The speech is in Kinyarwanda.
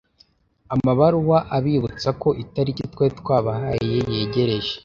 Amabaruwa abibutsa ko itariki twari twabahaye yegereje